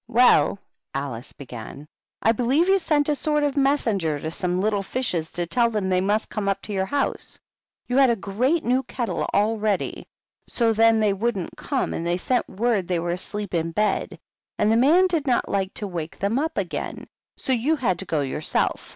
"Well," Alice began, "I believe you sent a sort of messenger to some little fishes, to tell them they must come up to your house. You had a great new kettle all ready. So then they wouldn't come, and they sent word they were asleep in bed. And the man did not like to wake them up again ; so you had to go yourself.